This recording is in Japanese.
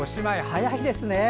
早いですね。